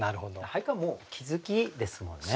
俳句はもう気付きですもんね。